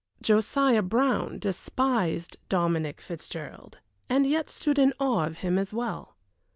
Josiah Brown despised Dominic Fitzgerald, and yet stood in awe of him as well.